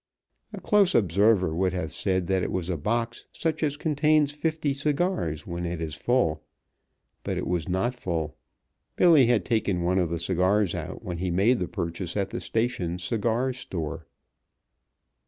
A close observer would have said it was a box such as contains fifty cigars when it is full, but it was not full. Billy had taken one of the cigars out when he made the purchase at the station cigar store.